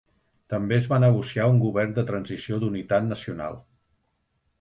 També es va negociar un govern de transició d'unitat nacional.